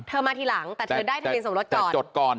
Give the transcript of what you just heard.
แต่เธอได้ทะเบียนสมรสก่อน